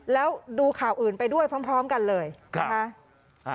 แล้วดูข่าวอื่นไปด้วยพร้อมกันเลยนะคะ